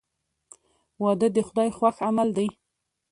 • واده د خدای خوښ عمل دی.